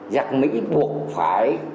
giặc mỹ buộc phải